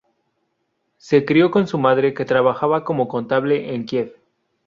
Se crio con su madre, que trabajaba como contable en Kiev.